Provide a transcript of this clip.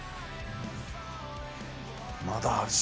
「まだあるぜ！」